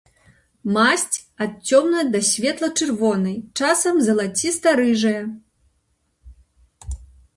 Масць ад цёмна- да светла-чырвонай м залаціста-рыжая.